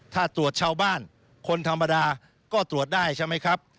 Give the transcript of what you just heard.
ถ้าตรวจชาวบ้านคนธรรมดาก็ตรวจได้ใช่ไหมครับ